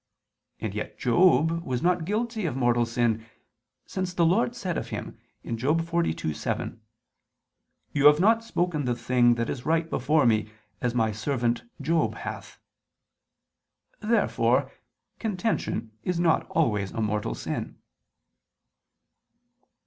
And yet Job was not guilty of mortal sin, since the Lord said of him (Job 42:7): "You have not spoken the thing that is right before me, as my servant Job hath." Therefore contention is not always a mortal sin.